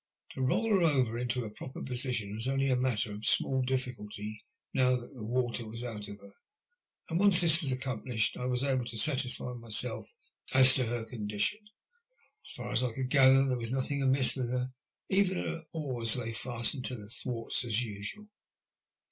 To roll her over into her proper position was only a matter of small difficulty now that the water was out of her, and once this was accomplished I was able to satisfy myself as to her condition. As far as I could gather, there was nothing amiss with her, even her oars lay fastened to the thwarts as usual.